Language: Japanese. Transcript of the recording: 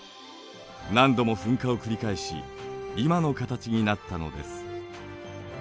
何度も噴火を繰り返し今の形になったのです。